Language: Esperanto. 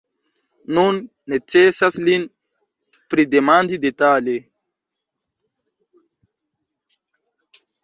Nun necesas lin pridemandi detale.